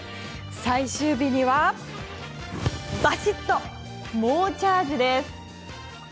最終日にはバシッと猛チャージです。